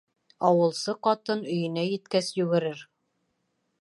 Ауылсы ҡатын өйөнә еткәс йүгерер.